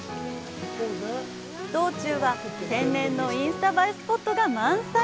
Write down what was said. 道中は、天然のインスタ映えスポットが満載。